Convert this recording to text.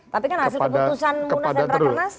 tapi kan hasil keputusan munas dan rakan nas